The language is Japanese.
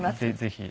ぜひ。